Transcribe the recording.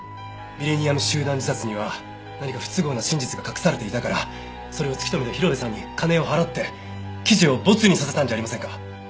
ミレニアム集団自殺には何か不都合な真実が隠されていたからそれを突き止めた広辺さんに金を払って記事をボツにさせたんじゃありませんか？